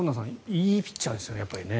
いいピッチャーですね。